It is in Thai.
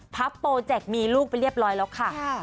โปรเจกต์มีลูกไปเรียบร้อยแล้วค่ะ